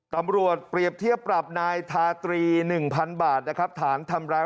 ถ้าไม่เอามันก็ต้องอยู่ในกระป๋องดิ